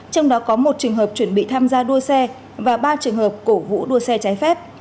trong đó có một trường hợp chuẩn bị tham gia đua xe và ba trường hợp cổ vũ đua xe trái phép